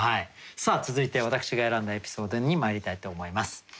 さあ続いて私が選んだエピソードにまいりたいと思います。